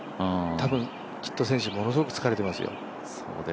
多分、きっと選手、ものすごく疲れてますよ。